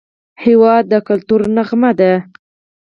هېواد د کلتور نغمه ده.